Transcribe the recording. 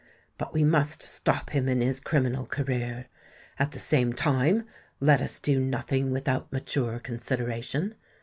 But we must stop him in his criminal career. At the same time, let us do nothing without mature consideration.